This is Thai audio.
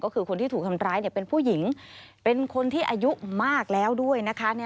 ก็คือคนที่ถูกทำร้ายเป็นผู้หญิงเป็นคนที่อายุมากแล้วด้วยนะคะ